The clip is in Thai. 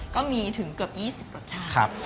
ก็มีถึงเกือบ๒๐รสชาติ